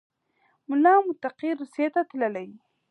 ملا متقي روسیې ته تللی